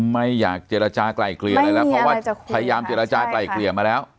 ไม่อยากเจรจากลายเกลี่ยอะไรแล้วเพราะว่าพยายามเจรจากลายเกลี่ยมาแล้ว